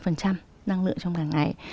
năng lượng trong cả ngày